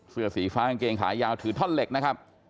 เสื้อสีฟ้ากางเกงขายาวถือท่อนเหล็กนะครับ